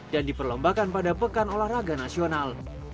dan diperlembahkan pada pekan olahraga nasional